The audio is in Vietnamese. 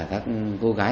các cô gái